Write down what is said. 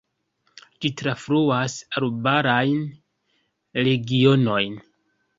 Ĝi trafluas arbarajn regionojn.